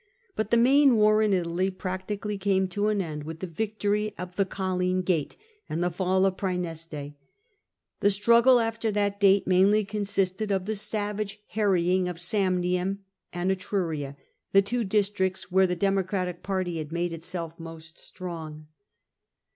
But the main war in Italy practically came to an end with the victorj of the Colline gate and the fall of Praeneste. The struggle after that date mainly consisted of the savage harrying of Samnium and Etruria, the two districts where the Democratic party had made itself most strong.